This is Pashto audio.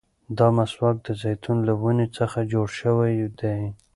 دا مسواک د زيتون له ونې څخه جوړ شوی دی.